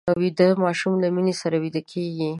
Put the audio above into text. ویده ماشوم له مینې سره ویده کېږي